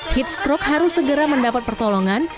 heat stroke harus segera mendapat pertolongan